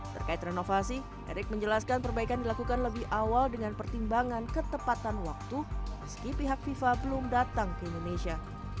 terkait renovasi erick menjelaskan perbaikan dilakukan lebih awal dengan pertimbangan ketepatan waktu meski pihak fifa belum datang ke indonesia